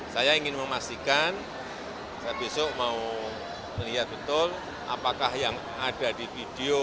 saya ingin memastikan saya besok mau lihat betul apakah yang ada di video